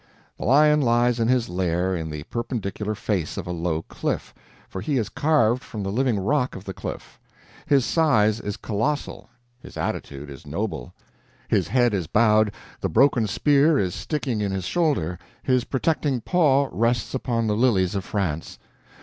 The Lion lies in his lair in the perpendicular face of a low cliff for he is carved from the living rock of the cliff. His size is colossal, his attitude is noble. His head is bowed, the broken spear is sticking in his shoulder, his protecting paw rests upon the lilies of France.